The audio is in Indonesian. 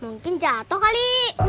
mungkin jatoh kali